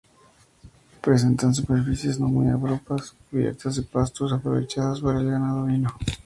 Presentan superficies no muy abruptas, cubiertas de pastos aprovechados por el ganado ovino.